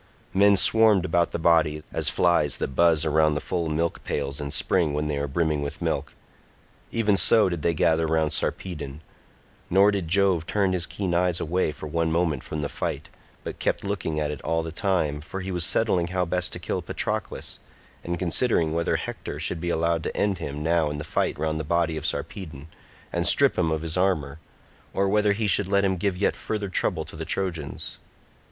Men swarmed about the body, as flies that buzz round the full milk pails in spring when they are brimming with milk—even so did they gather round Sarpedon; nor did Jove turn his keen eyes away for one moment from the fight, but kept looking at it all the time, for he was settling how best to kill Patroclus, and considering whether Hector should be allowed to end him now in the fight round the body of Sarpedon, and strip him of his armour, or whether he should let him give yet further trouble to the Trojans.